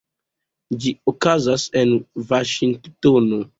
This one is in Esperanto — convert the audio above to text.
Ĝi okazis en Vaŝingtono.